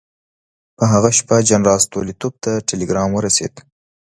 په هغه شپه جنرال ستولیتوف ته ټلګرام ورسېد.